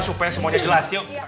supaya semuanya jelas yuk